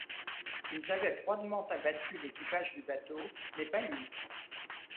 Ils avaient froidement abattu l’équipage du bateau, mais pas lui.